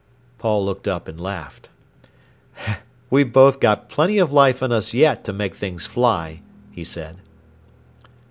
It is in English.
Paul looked up and laughed. "We've both got plenty of life in us yet to make things fly," he said.